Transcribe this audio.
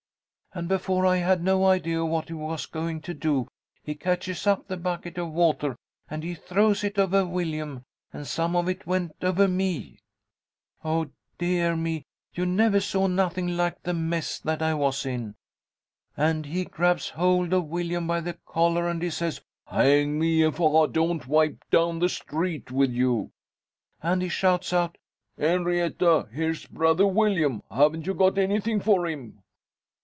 And before I had no idea of what he was going to do, he catches up the bucket of water and he throws it over Willyum, and some of it went over me. Oh, dear me, you never saw nothing like the mess that I was in! And he grabs hold of Willyum by the collar, and he says, 'Hang me if I don't wipe down the street with you!' And he shouts out, ''Enrietta, here's Brother Willyum. Haven't you got anything for him?